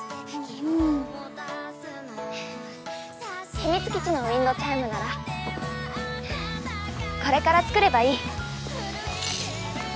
秘密基地のウインドチャイムならこれから作ればいい。